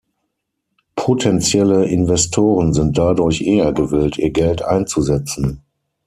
Potenzielle Investoren sind dadurch eher gewillt, ihr Geld einzusetzen.